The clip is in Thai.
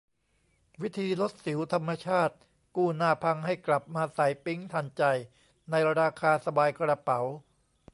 วิธีลดสิวธรรมชาติ กู้หน้าพังให้กลับมาใสปิ๊งทันใจ ในราคาสบายกระเป๋า